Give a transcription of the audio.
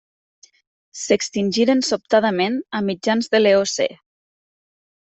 S'extingiren sobtadament a mitjans de l'Eocè.